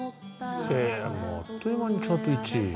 あっという間にチャート１位。